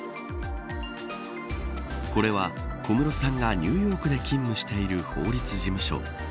これは小室さんがニューヨークで勤務している法律事務所。